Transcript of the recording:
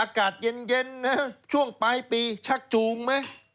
อากาศเย็นนะช่วงปลายปีชักจูงไหม